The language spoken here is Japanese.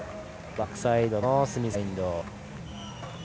バックサイドのスミスグラインド。